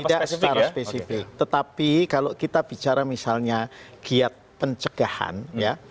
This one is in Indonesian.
tidak secara spesifik tetapi kalau kita bicara misalnya giat pencegahan ya